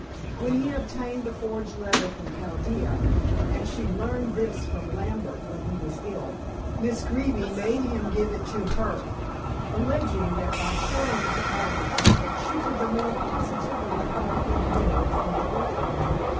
When he obtained the forged letter from Chaldea and she learned this from Lambert when he was ill Miss Greeby made him give it to her, alleging that by showing it to Agnes she could the more positively part the widow from her lover.